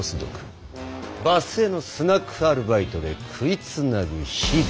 場末のスナックアルバイトで食いつなぐ日々。